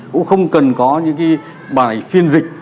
cũng không cần có những cái bài phiên dịch